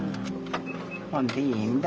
ほんでいいんだ。